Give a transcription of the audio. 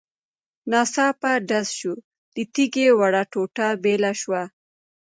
. ناڅاپه ډز شو، له تيږې وړه ټوټه بېله شوه.